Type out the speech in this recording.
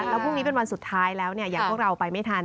แล้วพรุ่งนี้เป็นวันสุดท้ายแล้วอย่างพวกเราไปไม่ทัน